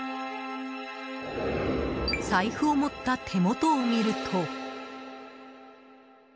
財布を持った手元を見ると。